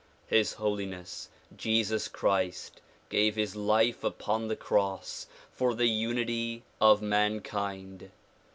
His Holiness Jesus Christ gave his life upon the cross for the unity of mankind.